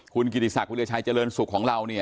คุณกิธิสักร์วิวิวชายเจริญศุกร์ของเราเนี่ย